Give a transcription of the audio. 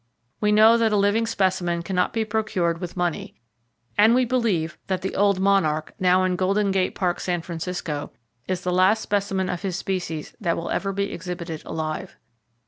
We know that a living specimen can not be procured with money, and we believe that "Old Monarch" now in Golden Gate Park, San Francisco, is the last specimen of his species that ever will be exhibited alive.